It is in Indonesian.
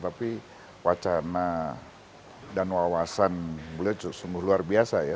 tapi wacana dan wawasan beliau sungguh luar biasa ya